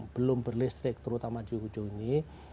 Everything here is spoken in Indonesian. belum berlistrik terutama di ujung ini